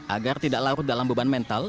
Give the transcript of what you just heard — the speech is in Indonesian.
agar tidak larut dalam beban mental